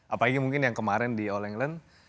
apalagi mungkin yang kemarin di all england